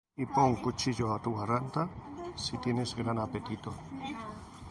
Y pon cuchillo á tu garganta, Si tienes gran apetito.